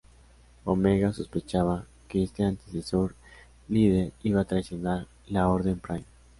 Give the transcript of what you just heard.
Omega sospechaba que este antecesor líder iba a traicionar la orden Prime.